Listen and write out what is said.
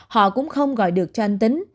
họ cũng không gọi được cho anh tín